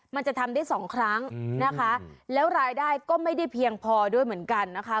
มันจะทำได้สองครั้งนะคะแล้วรายได้ก็ไม่ได้เพียงพอด้วยเหมือนกันนะคะ